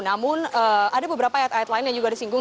namun ada beberapa ayat ayat lain yang juga disinggung